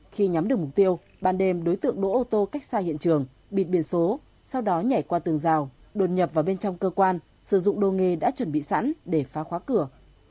khi nhắm được mục tiêu ban đêm đối tượng đỗ ô tô cách xa hiện trường bịt biển số sau đó nhảy qua tường rào đột nhập vào bên trong cơ quan sử dụng đồ nghề đã chuẩn bị sẵn để phá khóa cửa